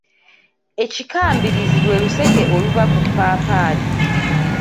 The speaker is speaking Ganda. Ekikambirizi lwe luseke oluva ku ppaapaali.